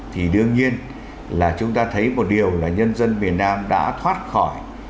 thì đương nhiên là chúng ta thấy một điều là nhân dân miền nam đã thoát khỏi